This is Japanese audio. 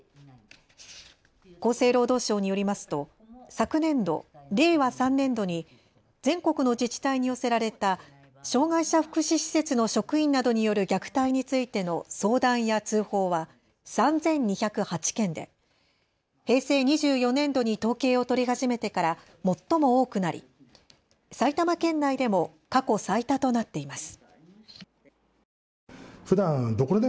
厚生労働省によりますと昨年度・令和３年度に全国の自治体に寄せられた障害者福祉施設の職員などによる虐待についての相談や通報は３２０８件で平成２４年度に統計を取り始めてから最も多くなり埼玉県内でも過去最多となっています。